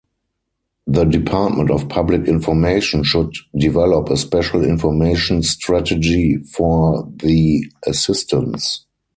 The Department of Public Information should develop a special information strategy for the assistance.